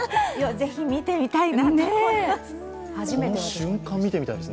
ぜひ見てみたいなと思います。